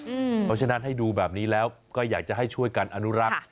เพราะฉะนั้นให้ดูแบบนี้แล้วก็อยากจะให้ช่วยกันอนุรักษ์